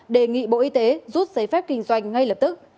đề nghị bộ y tế rút giấy phép kinh doanh ngay lập tức